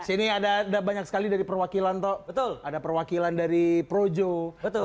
ini ada ada banyak sekali dari perwakilan toh betul ada perwakilan dari projo atau